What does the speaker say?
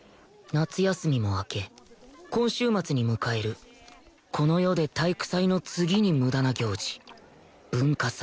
夏休みも明け今週末に迎えるこの世で体育祭の次に無駄な行事文化祭